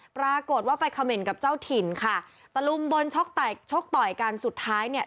ปรากฏว่าไปเขม่นกับเจ้าถิ่นค่ะตะลุมบนชกต่อยชกต่อยกันสุดท้ายเนี่ย